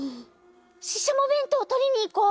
ししゃもべんとうとりにいこう！